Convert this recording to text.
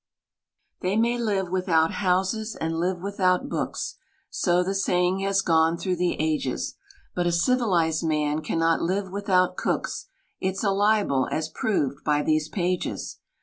"They may live without houses and live without books," So the saying has gone through the ages, "But a civilized man cannot live without cooks —" It's a libel, as proved by these pages!